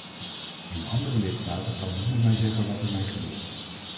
In andere lidstaten kan niemand mij zeggen wat ermee gebeurt.